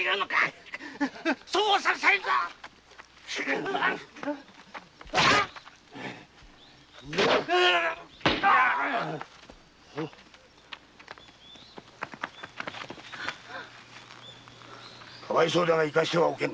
そうはさせんぞかわいそうだが生かしてはおけん。